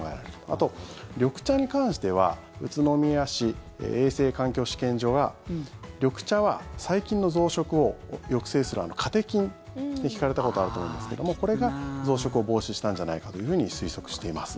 あと、緑茶に関しては宇都宮市衛生環境試験所が緑茶は、細菌の増殖を抑制するカテキンって聞かれたことあると思いますけどもこれが増殖を防止したんじゃないかというふうに推測しています。